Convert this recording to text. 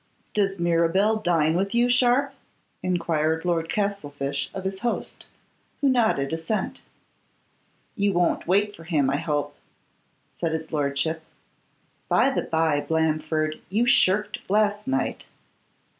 'Does Mirabel dine with you, Sharpe?' enquired Lord Castlefyshe of his host, who nodded assent. 'You won't wait for him, I hope?' said his lordship. 'By the bye, Blandford, you shirked last night.